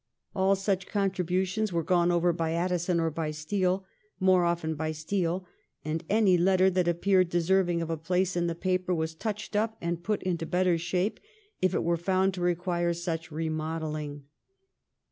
All such contribu tions were gone over by Addison or by Steele — more often by Steele — and any letter that appeared deserv ing of a place in the paper was touched up and put into better shape if it were found to require such remodelling.